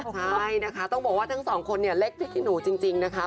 ใช่นะคะต้องบอกว่าทั้งสองคนเนี่ยเล็กพริกขี้หนูจริงนะคะ